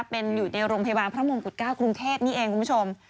เป็นอยู่ในโรงพยาบาลพระมงกุฎ๙กรุงเทพนี่เองคุณผู้ชม